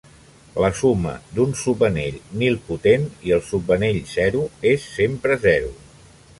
La suma d"un subanell nilpotent i el subanell cero és sempre cero.